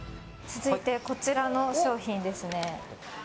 続いてこちらの商品ですね。